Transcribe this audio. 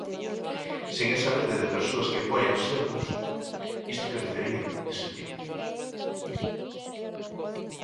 Sen esa rede de persoas que apoian Sermos isto carecería de sentido.